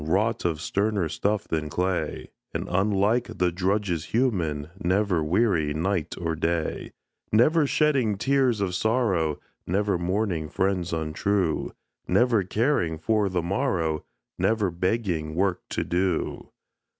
Wrought of sterner stuff than clay; And, unlike the drudges human, Never weary night or day; Never shedding tears of sorrow, Never mourning friends untrue, Never caring for the morrow, Never begging work to do.